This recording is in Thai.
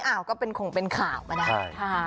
อ้าวก็เป็นของเป็นข่าวมาได้